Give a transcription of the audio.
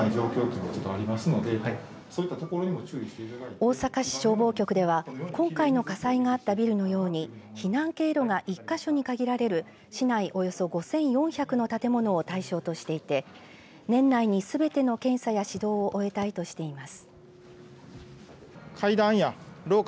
大阪市消防局では今回の火災があったビルのように避難経路が１か所に限られる市内およそ５４００の建物を対象としていて年内にすべての検査や指導を終えたいとしています。